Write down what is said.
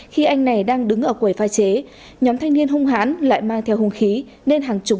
khi anh này đang đứng ở quầy phai chế nhóm thanh niên hung hãn lại mang theo hung khí nên hàng chục